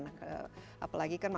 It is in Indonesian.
apalagi kan masih berada di indonesia